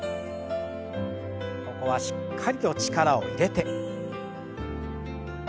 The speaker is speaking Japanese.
ここはしっかりと力を入れて。